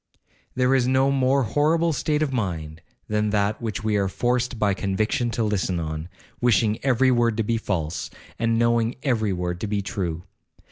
'There is no more horrible state of mind than that in which we are forced by conviction to listen on, wishing every word to be false, and knowing every word to be true.